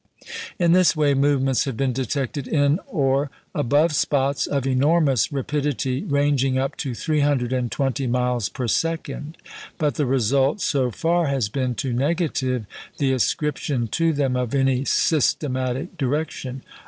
In this way movements have been detected in or above spots of enormous rapidity, ranging up to 320 miles per second. But the result, so far, has been to negative the ascription to them of any systematic direction.